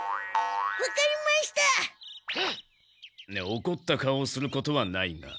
おこった顔をすることはないが。